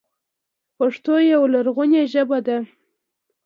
پښتو یوه لرغونې ژبه ده.